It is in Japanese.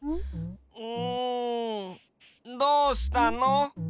んどうしたの？